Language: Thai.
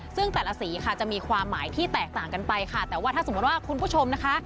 ซึ่งแต่ละสีค่ะจะมีความหมายที่แตกต่างกันไปค่ะแต่ว่าถ้าสมมติว่าคุณผู้ชมนะคะ